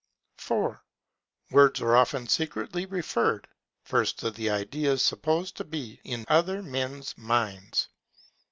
4. Words are often secretly referred, First to the Ideas supposed to be in other men's minds.